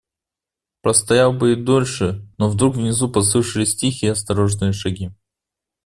Простоял бы и дольше, но вдруг внизу послышались тихие, осторожные шаги.